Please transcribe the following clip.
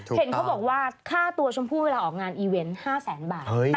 เห็นเขาบอกว่าค่าตัวชมพู่เวลาออกงานอีเวนต์๕แสนบาท